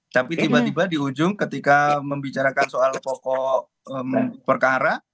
tapi tiba tiba di ujung ketika membicarakan soal pokok perkara